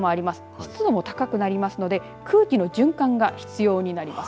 湿度も高くなりますから空気の循環が必要になります。